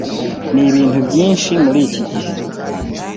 Ndi ibintu byinshi muri iki gihe, .